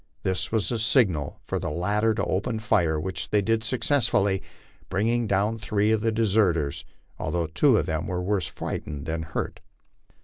This was the signal for the latter to open fire, which they did suc cessfully, bringing down three of the deserters, although two of them were worse frightened than hurt.